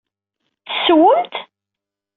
Tessewwem-t?